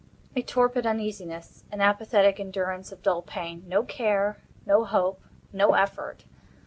A torpid uneasiness. An apathetic endurance of dull pain. No care—no hope—no effort.